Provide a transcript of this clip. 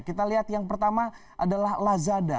kita lihat yang pertama adalah lazada